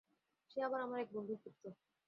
সে আবার আমার এক বন্ধুর পুত্র।